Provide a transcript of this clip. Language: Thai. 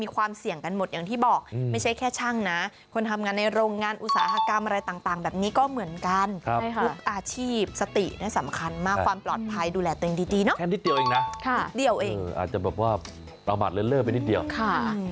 ค่ะเดี่ยวเองอาจจะแบบว่าเอาหมัดเลิศไปนิดเดียวค่ะ